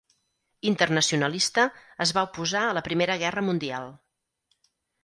Internacionalista, es va oposar a la Primera Guerra Mundial.